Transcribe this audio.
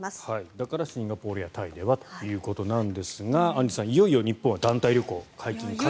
だから、シンガポールやタイではということですがアンジュさん、いよいよ日本は団体旅行解禁かと。